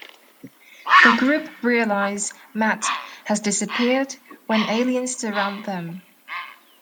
The group realize Matt has disappeared, when aliens surround them.